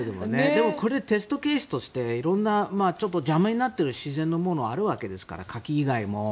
でもこれ、テストケースとして色んな邪魔になっている自然のものがあるわけですからカキ以外も。